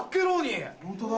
ホントだ。